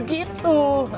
jadi milikku begitu